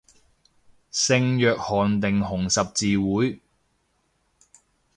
聖約翰定紅十字會